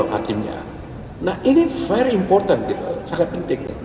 nah ini sangat penting